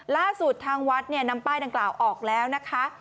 ล่าสุดทางวัดเนี่ยนำป้ายดังกล่าวออกแล้วนะคะ